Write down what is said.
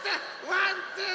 「ワンツー！